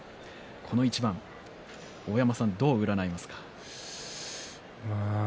この一番大山さん、どう占いますか？